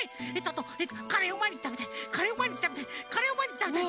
あとカレーをまいにちたべたいカレーをまいにちたべたいカレーをまいにちたべたい。